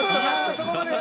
そこまで。